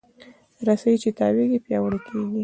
رسۍ چې تاوېږي، پیاوړې کېږي.